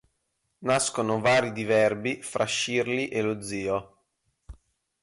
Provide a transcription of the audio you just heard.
Nascono vari diverbi fra Shirley e lo zio.